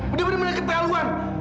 udah bener bener keterlaluan